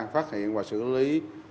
phát hiện và xử lý bốn ba trăm hai mươi năm